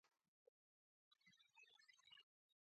راشئ او کښېنئ